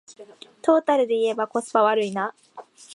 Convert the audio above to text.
トータルでいえばコスパ悪いな